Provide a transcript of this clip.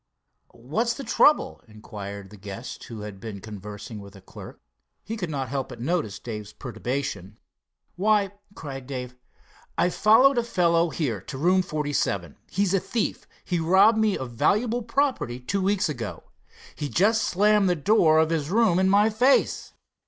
"What's the trouble?" inquired the guest, who had been conversing with the clerk. He could not help but notice Dave's perturbation. "Why," cried Dave, "I followed a fellow here, to room 47. He is a thief. He robbed me of valuable property two weeks ago. He just slammed the door of his room in my face."